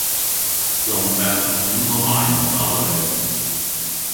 林病扻頭埋牆啦去